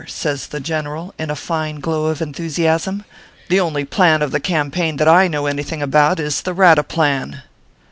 says the general, in a fine glow of enthusinsm, " the only plan of the campaign that I know anything about, is the rata plan."